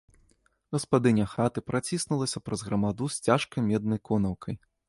Гаспадыня хаты праціснулася праз грамаду з цяжкай меднай конаўкай.